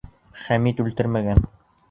Хәмит үлтермәгән.